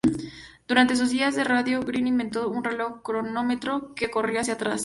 Durante sus días de radio, Greene inventó un reloj cronómetro que corría hacia atrás.